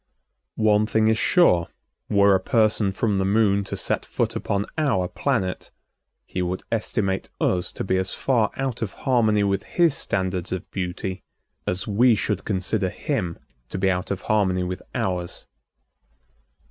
One thing is sure, were a person from the Moon to set foot upon our planet, he would estimate us to be as far out of harmony with his standards of beauty as we should consider him to be out of harmony with ours.